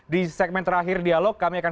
di segmen terakhir dialog kami akan